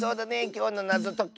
きょうのなぞとき。